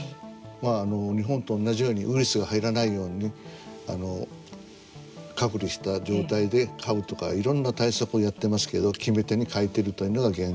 日本と同じように、ウイルスが入らないように隔離した状態で飼うとか、いろんな対策をやってますけど、決め手にそうですか。